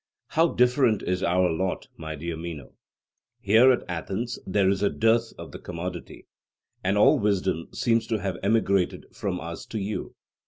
How different is our lot! my dear Meno. Here at Athens there is a dearth of the commodity, and all wisdom seems to have emigrated from us to you.